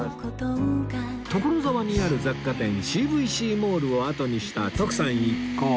所沢にある雑貨店 Ｃ．Ｖ．Ｃ モールをあとにした徳さん一行